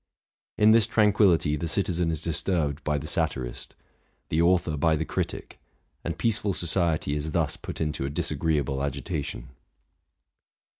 In this tranquillity the citizen is dis turbed by the satirist, the author by the critic; and peaceful 'society is thus put into a disagreeable agitation.